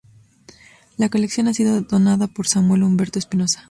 La colección ha sido donado por Samuel Humberto Espinoza.